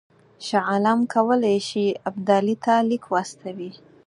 شاه عالم کولای شي ابدالي ته لیک واستوي.